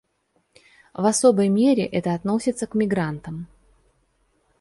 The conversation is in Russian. В особой мере это относится к мигрантам.